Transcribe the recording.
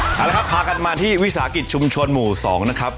เอาละครับพากันมาที่วิสาหกิจชุมชนหมู่๒นะครับ